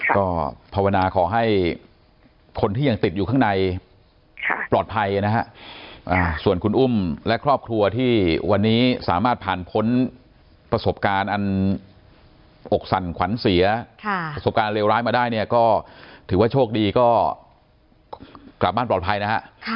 ก็ภาวนาขอให้คนที่ยังติดอยู่ข้างในปลอดภัยนะฮะส่วนคุณอุ้มและครอบครัวที่วันนี้สามารถผ่านพ้นประสบการณ์อันอกสั่นขวัญเสียประสบการณ์เลวร้ายมาได้เนี่ยก็ถือว่าโชคดีก็กลับบ้านปลอดภัยนะฮะ